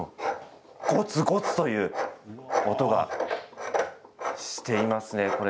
ゴツゴツという音がしていますね。